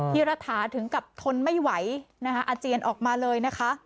รัฐาถึงกับทนไม่ไหวนะคะอาเจียนออกมาเลยนะคะ